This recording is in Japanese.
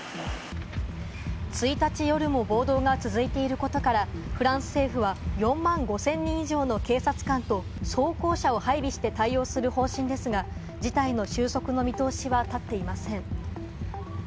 １日夜も暴動が続いていることから、フランス政府は４万５０００人以上の警察官と装甲車を配備して対応する方針ですが、事態の収束の見通しは立っていません。